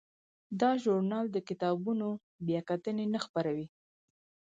دا ژورنال د کتابونو بیاکتنې نه خپروي.